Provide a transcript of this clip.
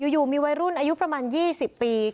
อยู่มีวัยรุ่นอายุประมาณ๒๐ปี